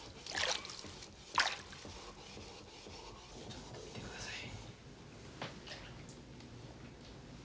ちょっと見てください。